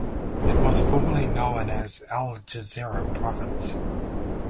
It was formerly known as Al-Jazira province.